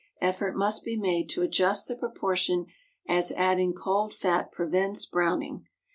Effort must be made to adjust the proportion, as adding cold fat prevents browning.